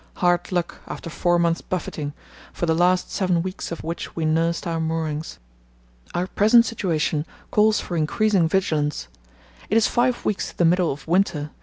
Hard luck after four months' buffeting, for the last seven weeks of which we nursed our moorings. Our present situation calls for increasing vigilance. It is five weeks to the middle of winter.